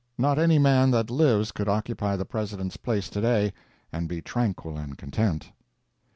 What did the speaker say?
Not any man that lives could occupy the President's place to day, and be tranquil and content.